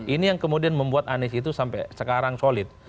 ini yang kemudian membuat anies itu sampai sekarang solid